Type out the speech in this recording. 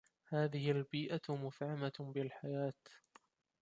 هذه البيئة مفعمة بالحياة.